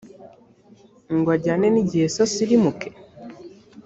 ngo ajyane n igihe se asirimuke